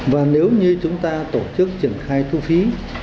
và nếu như chúng ta tổ chức triển khai thu phí